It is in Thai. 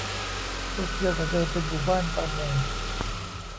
โตเกียวแต่เดิมเป็นหมู่บ้านประมง